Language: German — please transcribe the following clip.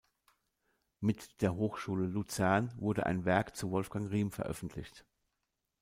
Mit der Hochschule Luzern wurde ein Werk zu Wolfgang Rihm veröffentlicht.